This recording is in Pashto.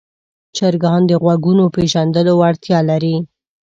چرګان د غږونو پېژندلو وړتیا لري.